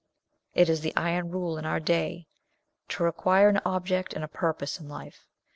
It is the iron rule in our day to require an object and a purpose in life.